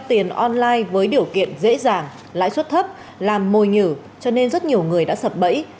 tiền online với điều kiện dễ dàng lãi suất thấp làm mồi nhử cho nên rất nhiều người đã sập bẫy